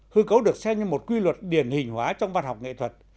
hư cấu được xem như một quy luật điển hình hóa trong văn học nghệ thuật